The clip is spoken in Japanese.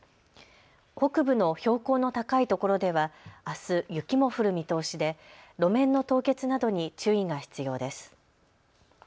北部の標高の高いところではあす雪も降る見通しで路面の凍結などに注意が必要です。